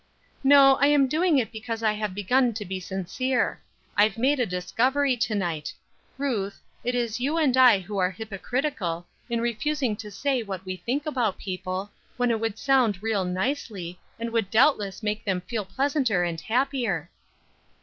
"No, I'm doing it because I have begun to be sincere. I've made a discovery to night. Ruth, it is you and I who are hypocritical, in refusing to say what we think about people, when it would sound real nicely, and would doubtless make them feel pleasanter and happier."